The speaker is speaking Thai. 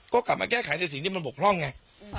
ก็กลับมาแก้ไขในสิ่งที่มันบกพร่องไง